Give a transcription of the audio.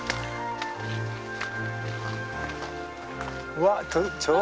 うわっ！